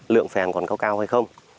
lượng phèn còn cao cao hay không